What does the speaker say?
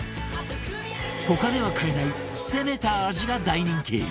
他では買えない攻めた味が大人気